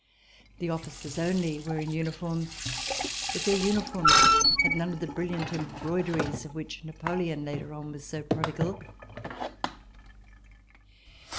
The officers C134] RESIDENCE IN HOLLAND only were in uniform, hut their uniforms had none of the brilhant embroideries of which Napoleon later on was so prodigal.